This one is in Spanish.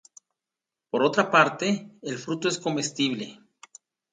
Por otra parte el fruto es comestible.